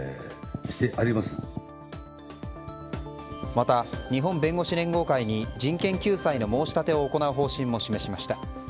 また、日本弁護士連合会に人権救済の申し立てを行う方針も示しました。